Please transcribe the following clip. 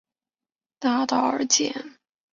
绝大多数教学楼都沿东第十三大道而建。